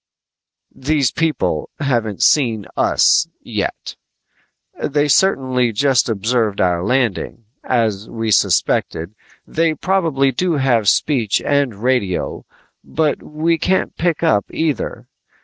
"These people haven't seen us yet. They certainly just observed our landing. As we suspected, they probably do have speech and radio but we can't pick up either.